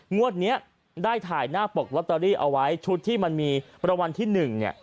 งวดนี้ได้ถ่ายหน้าปกลอตเตอรี่เอาไว้ชุดที่มันมีประวัลที่๑เนี่ย